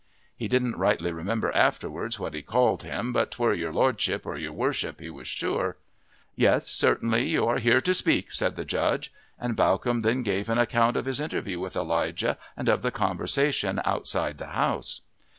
He didn't rightly remember afterwards what he called him, but 'twere your lordship or your worship, he was sure. "Yes, certainly, you are here to speak," said the judge, and Bawcombe then gave an account of his interview with Elijah and of the conversation outside the house.